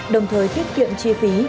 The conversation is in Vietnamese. đồng thời tiết kiệm chi phí